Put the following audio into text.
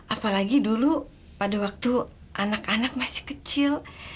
apalagi dulu pada waktu anak anak masih kecil